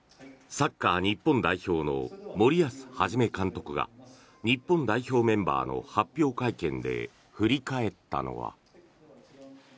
サッカー日本代表の森保一監督が日本代表メンバーの発表会見で振り返ったのは。